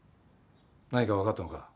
何かわかったのか？